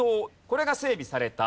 これが整備された。